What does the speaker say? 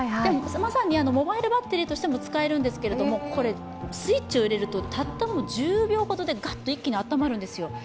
まさにモバイルバッテリーとしても使えるんですけど、これスイッチを入れるとたったの１０秒ほどでガッとあったかくなるんですよ。